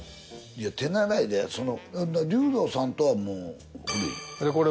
いや手習いでその竜童さんとはもう古い？